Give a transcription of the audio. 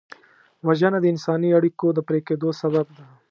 وژنه د انساني اړیکو د پرې کېدو سبب ده